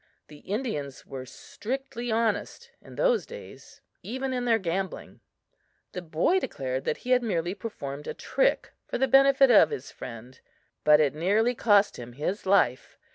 The Indians were strictly honest in those days, even in their gambling. The boy declared that he had merely performed a trick for the benefit of his friend, but it nearly cost him his life.